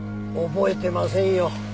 覚えてませんよ。